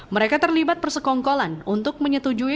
mereka terlibat persekongkolan untuk menyetujui